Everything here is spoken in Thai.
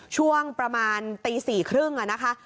ช่วงประมาณตี๔๓๐นะคะ